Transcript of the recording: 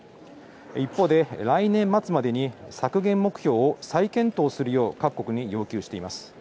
一方で来年末までに削減目標を再検討するよう各国に要求しています。